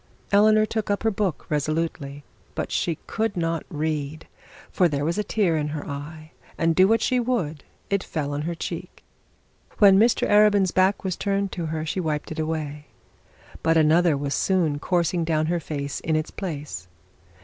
Eleanor took up her book resolutely; but she could not read, for there was a tear in her eye, and do what she would it fell on her cheek. When Mr Arabin's back was turned to her she wiped it away; but another was soon coming down her face in its place.